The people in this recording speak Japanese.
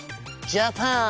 ジャパーン！